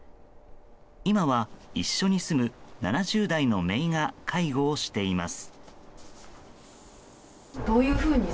今は、一緒に住む７０代のめいが介護をしています。